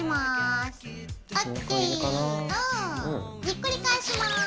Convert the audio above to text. ひっくり返します。